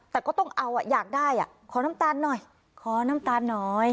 แต่ก็ต้องเอาอยากได้ขอน้ำตาลหน่อยขอน้ำตาลหน่อย